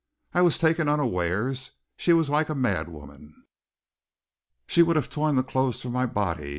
I was taken unawares. She was like a madwoman. She would have torn the clothes from my body.